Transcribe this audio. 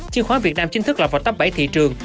chứng khoán vn chính thức lọt vào tớp bảy thị trường